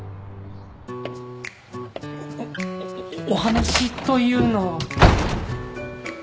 おお話というのは？